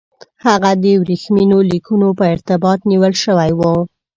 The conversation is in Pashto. هغه د ورېښمینو لیکونو په ارتباط نیول شوی وو.